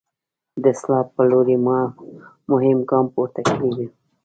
د اصلاح په لوري مو مهم ګام پورته کړی وي.